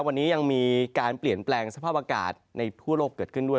วันนี้ยังมีการเปลี่ยนแปลงสภาพอากาศในทั่วโลกเกิดขึ้นด้วย